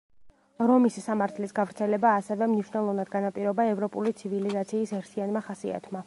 რომის სამართლის გავრცელება ასევე მნიშვნელოვნად განაპირობა ევროპული ცივილიზაციის ერთიანმა ხასიათმა.